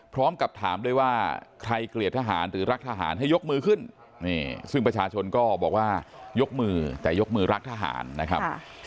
พร้อมกับถามด้วยว่าใครเกลียดทหารหรือรักทหารให้ยกมือขึ้นซึ่งประชาชนก็บอกว่ายกมือแต่ยกมือรักทหารนะครับ